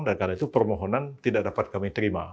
dan karena itu permohonan tidak dapat kami terima